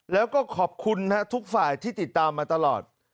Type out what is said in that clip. แล้วก็ขอบคุณทุกฝ่ายที่ติดตามมาตลอด